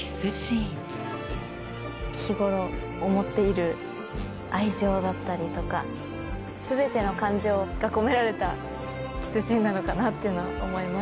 日ごろ思っている愛情だったりとか全ての感情が込められたキスシーンなのかなって思います。